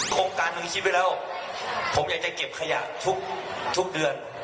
โครงการหนึ่งชิ้นไปแล้วผมอยากจะเก็บขยะทุกทุกเดือน